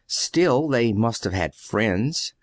"Still they must have had friends."